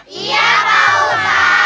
iya pak ustadz